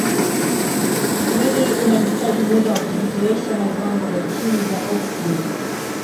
Mwili unahitaji muda wa kujizoesha na viwango vya chini vya oksijeni